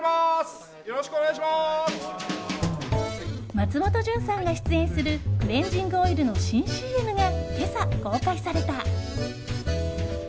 松本潤さんが出演するクレンジングオイルの新ＣＭが今朝、公開された。